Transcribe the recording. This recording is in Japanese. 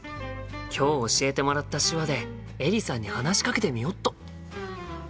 今日教えてもらった手話でエリさんに話しかけてみよっと！